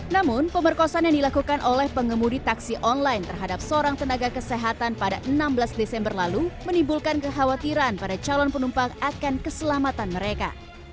namun pemerkosaan yang dilakukan oleh pengemudi taksi online terhadap seorang tenaga kesehatan pada enam belas desember lalu menimbulkan kekhawatiran pada calon penumpang akan keselamatan mereka